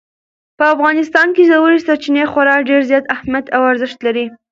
په افغانستان کې ژورې سرچینې خورا ډېر زیات اهمیت او ارزښت لري.